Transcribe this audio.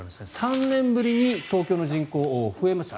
３年ぶりに東京の人口、増えました。